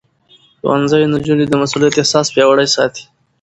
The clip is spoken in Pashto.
ښوونځی نجونې د مسؤليت احساس پياوړې ساتي.